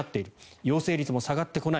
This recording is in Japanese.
陽性率も下がってこない